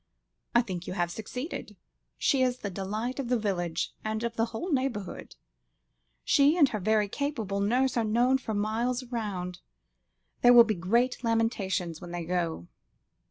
"I think you have succeeded. She is the delight of the village, and of the whole neighbourhood. She and her very capable nurse are known for miles round. There will be great lamentations when they go."